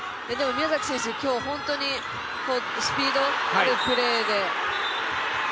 宮崎選手、今日は本当にスピードあるプレーで。